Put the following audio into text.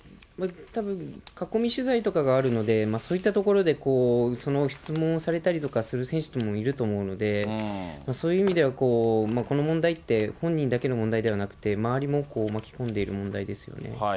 たぶん、囲み取材とかがあるので、そういったところでその質問をされたりとかをする選手いると思うので、そういう意味では、この問題って本人だけの問題ではなくて、周りも巻き込んでいる問題ですよね。